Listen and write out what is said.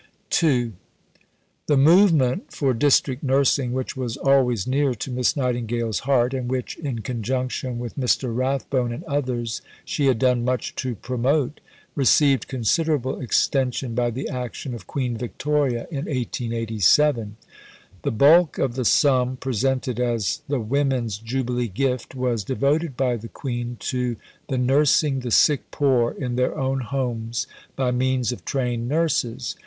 II The movement for District Nursing, which was always near to Miss Nightingale's heart, and which, in conjunction with Mr. Rathbone and others, she had done much to promote, received considerable extension by the action of Queen Victoria in 1887. The bulk of the sum presented as the "Women's Jubilee Gift" was devoted by the Queen to "the nursing the sick poor in their own homes by means of trained nurses."